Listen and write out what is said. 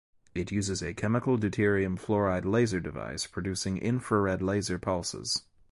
It uses a chemical deuterium fluoride laser device producing infrared laser pulses.